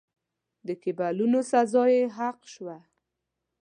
د کېبولونو سزا یې حق شوه.